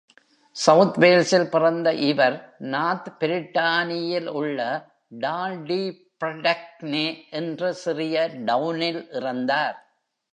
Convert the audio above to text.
South வேல்ஸில் பிறந்த இவர், நார்த் பிரிட்டானியில் உள்ள டால்-டி-பிரெடக்னெ என்ற சிறிய டவுணில் இறந்தார்.